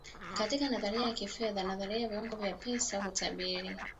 katika nadharia ya kifedha nadharia ya viwango vya pesa hutabiri